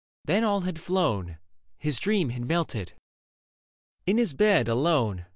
Then all had flown ; His dream had melted. In his bed, alone.